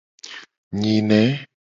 Nyine.